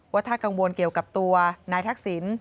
ว่าถ้ากังวลเกี่ยวกับตัวนายทักษิณ